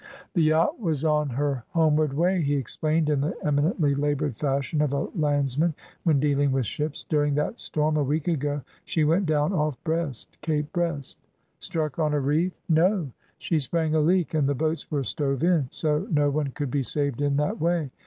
"The yacht was on her homeward way," he explained, in the eminently laboured fashion of a landsman when dealing with ships. "During that storm a week ago she went down off Brest Cape Brest." "Struck on a reef?" "No; she sprang a leak, and the boats were stove in, so no one could be saved in that way.